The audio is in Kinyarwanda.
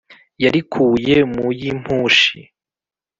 yarikuye mu y' i mpushi